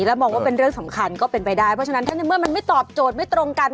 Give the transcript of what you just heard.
แล้วมองว่าเป็นเรื่องสำคัญก็เป็นไปได้เพราะฉะนั้นถ้าในเมื่อมันไม่ตอบโจทย์ไม่ตรงกัน